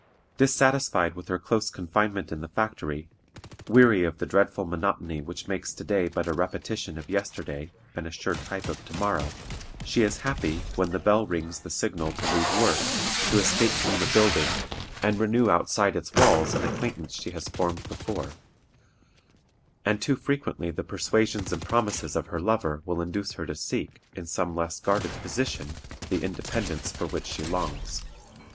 Dissatisfied with her close confinement in the factory, weary of the dreadful monotony which makes to day but a repetition of yesterday and a sure type of to morrow, she is happy, when the bell rings the signal to leave work, to escape from the building, and renew outside its walls an acquaintance she has formed before; and too frequently the persuasions and promises of her lover will induce her to seek, in some less guarded position, the independence for which she longs.